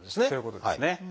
そういうことですね。